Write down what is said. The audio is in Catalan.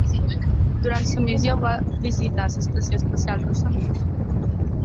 Durant la missió va visitar l'estació espacial russa Mir.